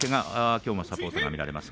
きょうもサポーターが見られます。